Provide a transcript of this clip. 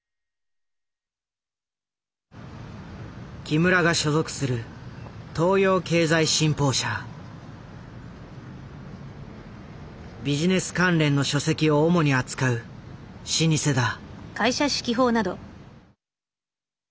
木村が所属するビジネス関連の書籍を主に扱う老舗だ。